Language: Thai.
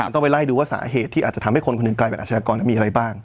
ต้องไปไล่ดูว่าสาเหตุที่อาจจะทำให้คนคนหนึ่งกลายเป็นอาชญากรมีอะไรบ้าง